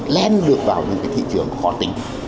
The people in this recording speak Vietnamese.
lên lượt vào những thị trường khó tính